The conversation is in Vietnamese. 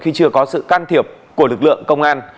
khi chưa có sự can thiệp của lực lượng công an